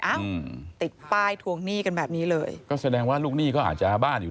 อ้าวติดป้ายทวงหนี้กันแบบนี้เลยก็แสดงว่าลูกหนี้เขาอาจจะบ้านอยู่